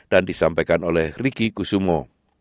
dan disampaikan oleh riki kusumo